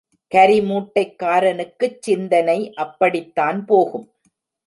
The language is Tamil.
கரி மூட்டைக்காரனுக்குச் சிந்தனை அப்படித்தான் போகும்.